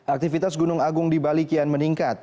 aktivitas gunung agung di bali kian meningkat